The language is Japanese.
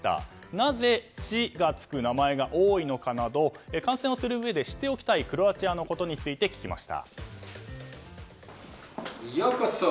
なぜ「ッチ」がつく名前が多いのかなど観戦をするうえで知っておきたいクロアチアのことについて聞きました。